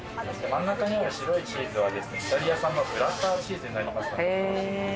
真ん中にある白いチーズは、イタリア産のブッラータチーズになります。